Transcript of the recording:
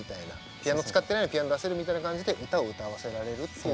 ピアノ使ってないのにピアノ出せるみたいな感じで歌を歌わせられるっていう。